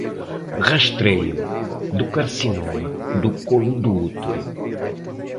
Rastreio do Carcinoma do Colo do Útero